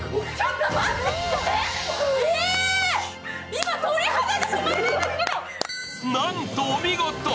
今、鳥肌が止まらないんですけどなんとお見事！